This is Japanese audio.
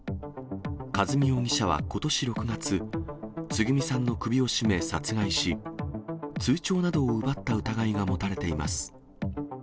和美容疑者はことし６月、つぐみさんの首を絞め殺害し、通帳などを奪った疑いが持たれています。